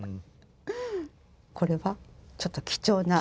これはちょっと貴重な。